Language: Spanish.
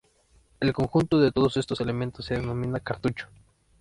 El conjunto de todos estos elementos se denomina cartucho.